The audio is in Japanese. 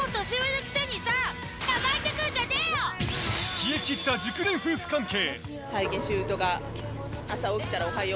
冷え切った熟年夫婦関係。